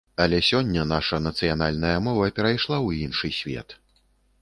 Але сёння наша нацыянальная мова перайшла ў іншы свет.